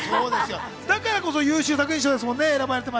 だからこそ優秀作品賞ですもんね。